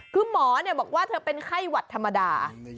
คือหมอบอกว่าเธอเป็นไข้หวัดธรรมดา